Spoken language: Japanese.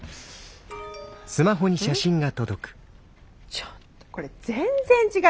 ちょっとこれ全然違う。